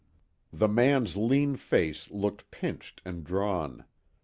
The man's lean face looked pinched and drawn.